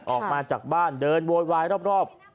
ออกมาจากบ้านเดินโวยวายรอบ